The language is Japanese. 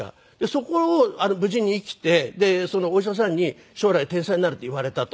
そこを無事に生きてでそのお医者さんに「将来天才になる」って言われたと。